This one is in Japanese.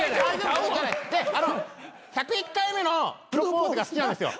あの『１０１回目のプロポーズ』が好きなんですよ。